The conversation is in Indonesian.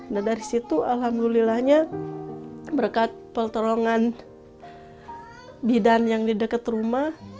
nah dari situ alhamdulillahnya berkat pertolongan bidan yang di dekat rumah